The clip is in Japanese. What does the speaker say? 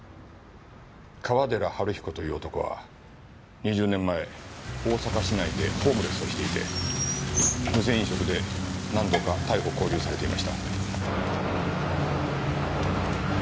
川寺治彦という男は２０年前大阪市内でホームレスをしていて無銭飲食で何度か逮捕勾留されていました。